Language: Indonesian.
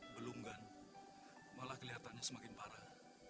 belum gun malah kelihatannya semakin parah